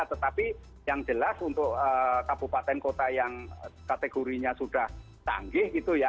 tetapi yang jelas untuk kabupaten kota yang kategorinya sudah canggih gitu ya